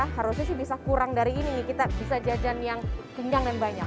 harusnya sih bisa kurang dari ini kita bisa jajan yang kenyang dan banyak